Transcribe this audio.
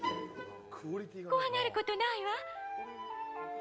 怖がることないわ。